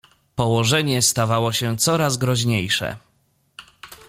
"Położenie stawało się coraz groźniejsze."